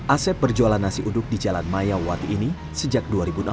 asep berjualan nasi uduk di jalan maya wati ini sejak dua ribu enam belas